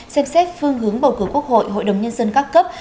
xem xét phương hướng bầu cử quốc hội hội đồng nhân dân các cấp